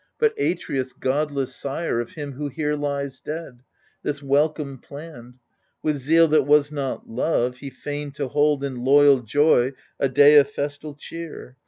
But Atreus, godless sire Of him who here lies dead, this welcome planned — With zeal that was not love he feigned to hold In loyal joy a day of festal cheer.